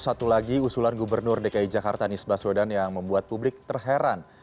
satu lagi usulan gubernur dki jakarta nisbah swedan yang membuat publik terheran